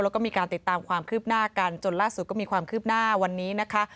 แล้วก็มีการติดตามความคืบหน้ากันจนล่าสุดก็มีความคืบหน้าวันนี้นะคะ